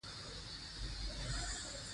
مور پلار د هغه هر ارمان پوره کړی دی